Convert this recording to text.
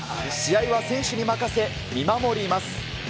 試合は選手に任せ、見守ります。